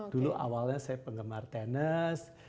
dulu awalnya saya penggemar tenis